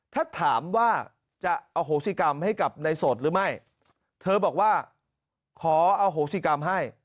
ถ้าถามว่าว่าจะเอาหกศรีกรรมให้กลับในโสดหรือไม่เธอบอกว่าขอเอาหกศรีกรรมให้